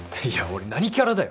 俺何キャラだよ